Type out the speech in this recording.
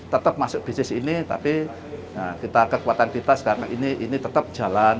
tetap masuk bisnis ini tapi kekuatan kita sekarang ini tetap jalan